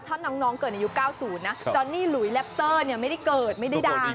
เป็นแสนใช่